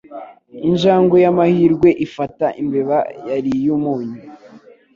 Injangwe y'amahirwe ifata imbeba yariye umunyu